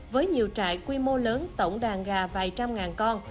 với nhiều trại quy mô lớn tổng đàn gà vài trăm ngàn con